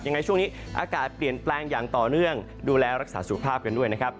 ยังไงช่วงนี้อากาศเปลี่ยนแปลงอย่างต่อเนื่องดูแลรักษาสุขภาพกันด้วยนะครับ